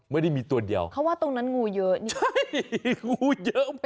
ไม่ได้มีตัวเดียวเขาว่าตรงนั้นงูเยอะ